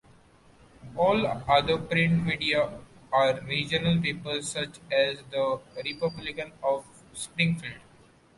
All other print media are regional papers such as the "Republican" of Springfield.